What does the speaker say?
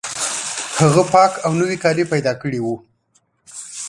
هغه پاک او نوي کالي پیدا کړي وو